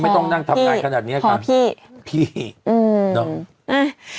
ไม่ต้องนั่งทำงานขนาดเนี้ยครับพอพี่พี่อืมเอ่ย